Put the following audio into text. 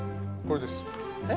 これです。